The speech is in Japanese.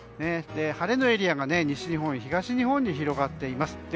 晴れのエリアが西日本、東日本に広がっています。